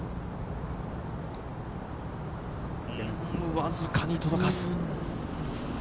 僅かに届かず。